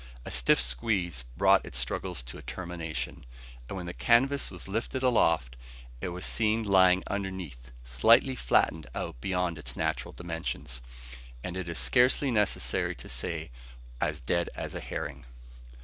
A stiff squeeze brought its struggles to a termination; and when the canvas was lifted aloft, it was seen lying underneath, slightly flattened out beyond its natural dimensions, and it is scarcely necessary to say, as dead as a herring.